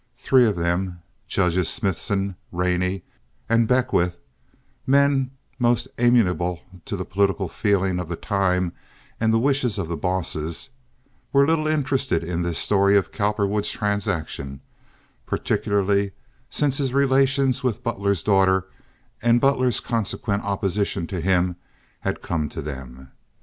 Three of them, Judges Smithson, Rainey, and Beckwith, men most amenable to the political feeling of the time and the wishes of the bosses, were little interested in this story of Cowperwood's transaction, particularly since his relations with Butler's daughter and Butler's consequent opposition to him had come to them.